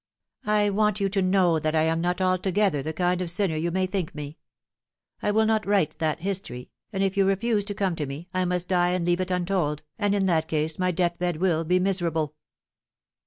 I want you to know that I am not altogether the kind of sinner you may think me. I will not write that history, and if you refuse to come to me, I must die and leave it untold, and in that case my death bed will be miserable."